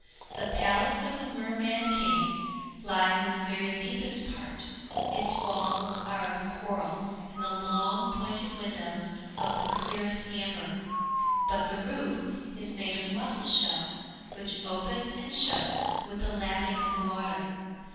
The palace of the Merman King lies in the very deepest part; its walls are of coral and the long pointed windows of the clearest amber, but the roof is made of mussel shells which open and shut with the lapping of the water.